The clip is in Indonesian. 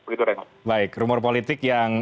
begitu renhat baik rumor politik yang